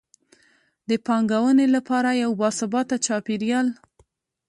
د پانګونې لپاره یو باثباته چاپیریال.